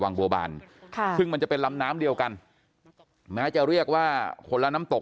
วังบัวบานค่ะซึ่งมันจะเป็นลำน้ำเดียวกันแม้จะเรียกว่าคนละน้ำตก